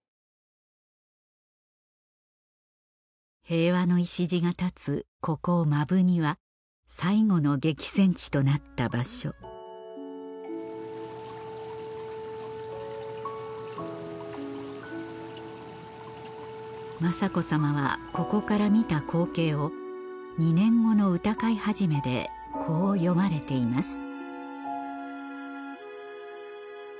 平和の礎が建つここ摩文仁は最後の激戦地となった場所雅子さまはここから見た光景を２年後の歌会始でこう詠まれています